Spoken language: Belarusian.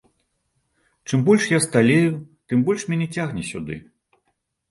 Чым я больш сталею, тым больш мяне цягне сюды.